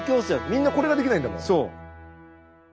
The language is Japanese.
みんなこれができないんだもん。